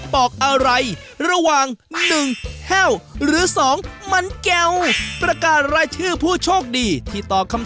สวัสดีค่ะ